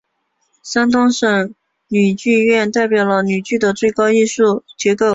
山东省吕剧院代表了吕剧的最高艺术机构。